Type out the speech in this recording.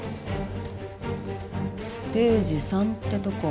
ステージⅢってとこ。